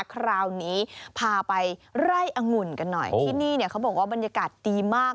คราวนี้พาไปไร่องุ่นกันหน่อยทีนี้แบบบันยกาศดีมาก